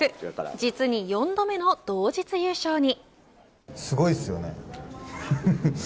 実に４度目の同日優勝に。